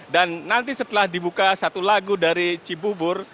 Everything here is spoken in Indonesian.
dan nanti setelah dibuka satu lagu dari cibubur